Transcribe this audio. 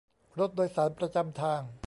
รถโดยสารประจำทาง